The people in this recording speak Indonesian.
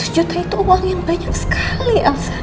seratus juta itu uang yang banyak sekali elsa